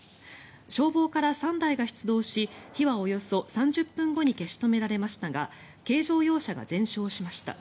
消防から３台が出動し火はおよそ３０分後に消し止められましたが軽乗用車が全焼しました。